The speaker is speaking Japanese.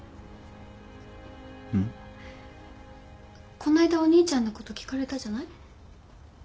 こないだお兄ちゃんのこと聞かれたじゃない？